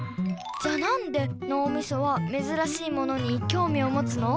じゃあなんでのうみそはめずらしいものにきょうみをもつの？